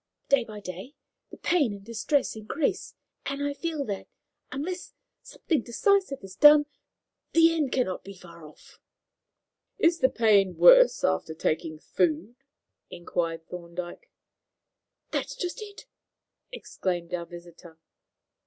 Day by day the pain and distress increase, and I feel that, unless something decisive is done, the end cannot be far off." "Is the pain worse after taking food?" inquired Thorndyke. "That's just it!" exclaimed our visitor.